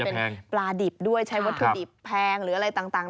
เป็นปลาดิบด้วยใช้วัตถุดิบแพงหรืออะไรต่าง